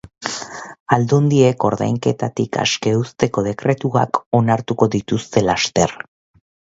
Aldundiek ordainketatik aske uzteko dekretuak onartuko dituzte laster.